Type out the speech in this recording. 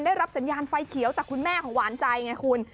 ได้รับสัญญาณไฟเขียวจากคุณแม่ของหวานใจไงคุณ